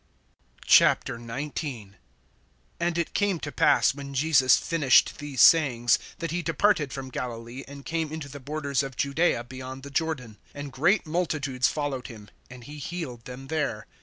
XIX. AND it came to pass, when Jesus finished these sayings, that he departed from Galilee, and came into the borders of Judaea beyond the Jordan. (2)And great multitudes followed him, and he healed them there.